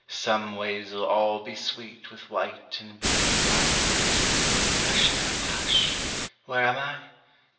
Some ways'll All be sweet with white and blue violet. (_Hush now, hush. Where am I?